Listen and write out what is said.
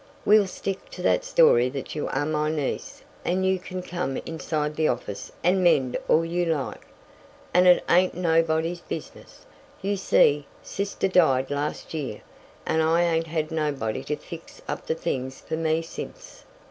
We'll stick to the story that you are my niece, and you kin come inside the office and mend all you like, and it ain't nobody's business. You see, sister died last year, and I ain't had nobody to fix up the things for me since."